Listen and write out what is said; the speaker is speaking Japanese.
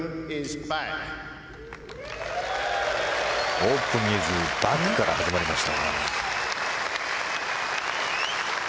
オープン・イズ・バックから始まりました。